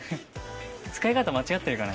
使い方間違ってるかな？